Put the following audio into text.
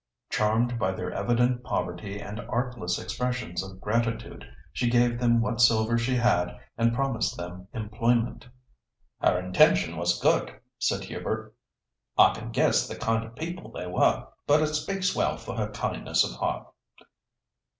Charmed by their evident poverty and artless expressions of gratitude, she gave them what silver she had, and promised them employment." "Her intention was good," said Hubert. "I can guess the kind of people they were; but it speaks well for her kindness of heart."